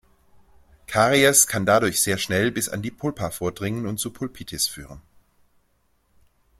Karies kann dadurch sehr schnell bis an die Pulpa vordringen und zur Pulpitis führen.